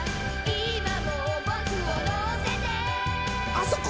あそこ！